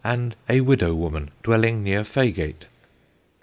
And a Widow Woman dwelling nere Faygate."